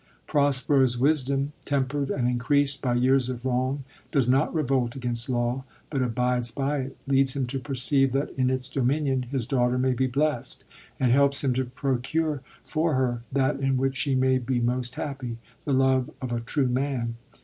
Prosperous wisdom, temperd and increast by years of wrong, does not revolt against law, but abides by it, leads him to perceive that in its dominion his daughter may be blest, and helps him to procure for her that in which she may be most happy, the love of a true man.